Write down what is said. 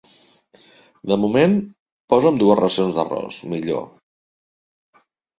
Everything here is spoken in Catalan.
De moment, posa'm dues racions d'arròs, millor.